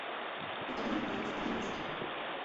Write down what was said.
Je pochován v bazilice Panny Marie Sněžné.